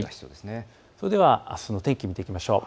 それではあすの天気を見ていきましょう。